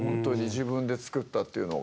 自分で作ったというのが。